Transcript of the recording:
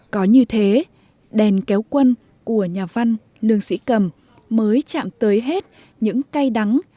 có như thế đèn kéo quân của nhà văn lương sĩ cầm mới chạm tới hết những cay đắng